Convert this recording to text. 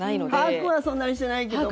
把握はそんなにしてないけども。